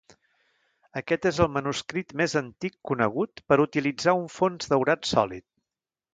Aquest és el manuscrit més antic conegut per utilitzar un fons daurat sòlid.